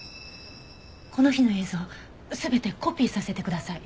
この日の映像全てコピーさせてください。